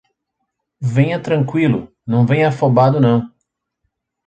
Venha tranquilo, não venha afobado não